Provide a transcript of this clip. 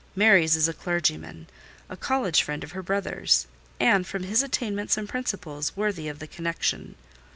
Mary's is a clergyman, a college friend of her brother's, and, from his attainments and principles, worthy of the connection.